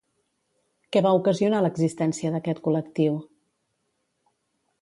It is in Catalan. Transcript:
Què va ocasionar l'existència d'aquest col·lectiu?